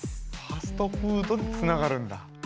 ファストフードとつながるんだ。